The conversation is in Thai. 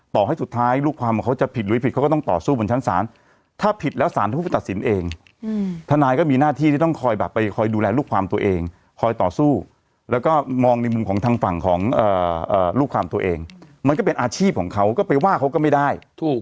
ต่อสู้บนชั้นศาลถ้าผิดแล้วศาลผู้ตัดสินเองทนายก็มีหน้าที่ที่ต้องคอยแบบไปคอยดูแลลูกความตัวเองคอยต่อสู้แล้วก็มองในมุมของทางฝั่งของลูกความตัวเองมันก็เป็นอาชีพของเขาก็ไปว่าเขาก็ไม่ได้